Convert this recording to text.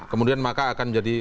kemudian maka akan jadi